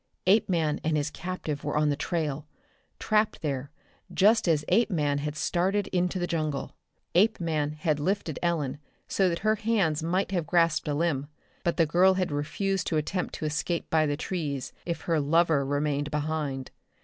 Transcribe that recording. Apeman and his captive were on the trail, trapped there just as Apeman had started into the jungle. Apeman had lifted Ellen so that her hands might have grasped a limb; but the girl had refused to attempt to escape by the trees if her "lover" remained behind.